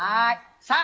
さあ